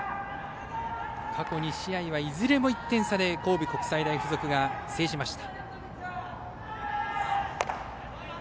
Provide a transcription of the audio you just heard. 過去２試合は、いずれも１点差で神戸国際大付属が制しました。